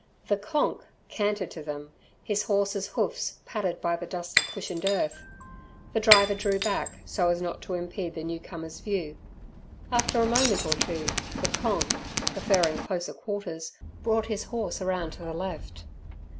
The "Konk" cantered to them, his horse's hoofs padded by the dust cushioned earth. The driver drew back, so as not to impede the newcomer's view. After a moment or two, the "Konk", preferring closer quarters, brought his horse round to the left.